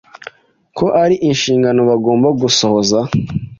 ko ari inshingano bagomba gusohoza.